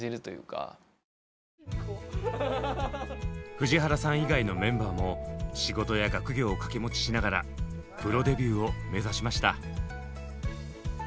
藤原さん以外のメンバーも仕事や学業を掛け持ちしながらプロデビューを目指しました。